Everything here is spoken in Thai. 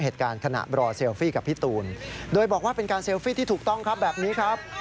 ที่ถูกต้องครับแบบนี้ครับ